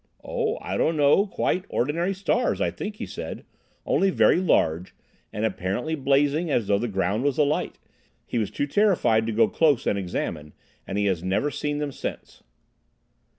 "Oh, I don't know quite; ordinary stars, I think he said, only very large, and apparently blazing as though the ground was alight. He was too terrified to go close and examine, and he has never seen them since."